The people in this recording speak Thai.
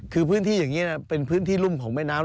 คือพื้นที่อย่างนี้เป็นพื้นที่รุ่มของแม่น้ำ